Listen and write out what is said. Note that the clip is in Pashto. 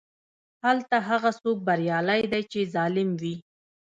هلته هغه څوک بریالی دی چې ظالم وي.